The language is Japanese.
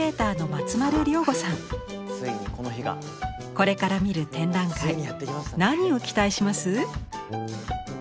これから見る展覧会に何を期待します？